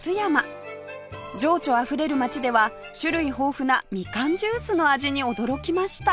情緒あふれる街では種類豊富なみかんジュースの味に驚きました！